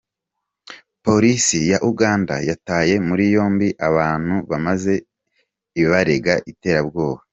Polisi ya Uganda yataye muri yombi aba bantu maze ibarega iterabwoba.